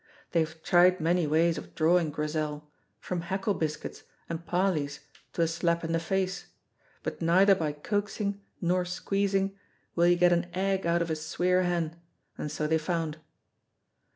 They have tried many ways of drawing Grizel, from heckle biscuits and parlies to a slap in the face, but neither by coaxing nor squeezing will you get an egg out of a sweer hen, and so they found.